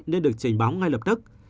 nên được trình báo ngay lập tức